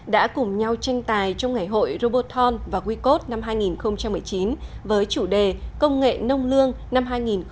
đã cùng nhau tranh tài trong ngày hội roboton và wecode năm hai nghìn một mươi chín với chủ đề công nghệ nông lương năm hai nghìn một mươi chín